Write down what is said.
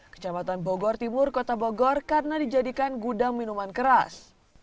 kecamatan bogor timur kota bogor karena dijadikan gudang minuman keras